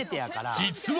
［実は］